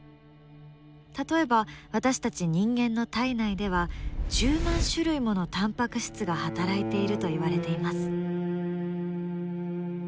例えば私たち人間の体内では１０万種類ものタンパク質が働いていると言われています。